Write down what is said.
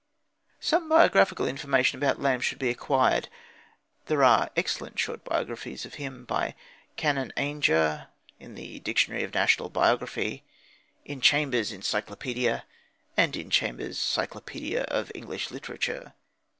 Some biographical information about Lamb should be acquired. There are excellent short biographies of him by Canon Ainger in the Dictionary of National Biography, in Chambers's Encyclopædia, and in Chambers's Cyclopædia of English Literature.